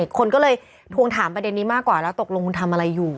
คนก็เลยทวงถามประเด็นนี้มากกว่าแล้วตกลงคุณทำอะไรอยู่